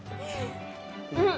うん。